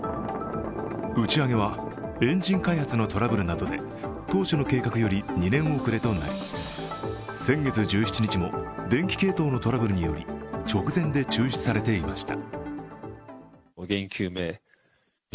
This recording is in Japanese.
打ち上げはエンジン開発のトラブルなどで当初の計画より２年遅れとなり、先月１７日も電気系統のトラブルにより直前で中止されていました。